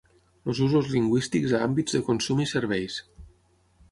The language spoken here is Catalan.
Els usos lingüístics a àmbits de consum i serveis.